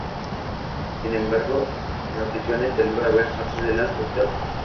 Sin embargo, en ocasiones se logra ver parte de las cascadas.